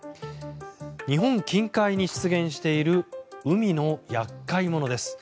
日本近海に出現している海の厄介者です。